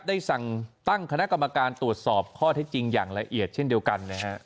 ได้สั่งตั้งคณะกรรมการตรวจสอบข้อเท็จจริงอย่างละเอียดเช่นเดียวกันนะฮะ